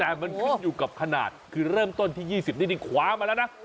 แต่มันขึ้นอยู่กับขนาดคือเริ่มต้นที่๒๐นี่คว้ามาแล้วนะ